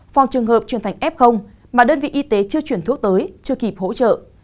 phòng trường hợp chuyển thành f mà đơn vị y tế chưa chuyển thuốc tới chưa kịp hỗ trợ